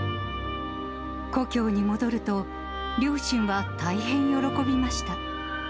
故郷に戻ると、両親は大変喜びました。